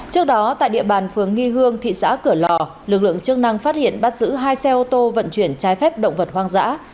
trước đó tại địa bàn phường nghi hương thị xã cửa lò lực lượng chức năng phát hiện bắt giữ hai xe ô tô vận chuyển trái phép động vật hoang dã